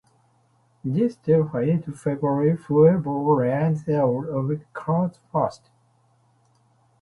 This still highly favors whoever runs out of cards first.